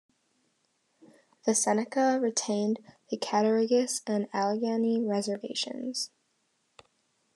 The Seneca retained the Cattaraugus and Allegany reservations.